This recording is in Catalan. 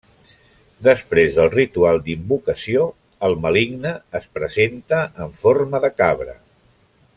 Després del ritual d'invocació, el maligne es presenta en forma de cabra.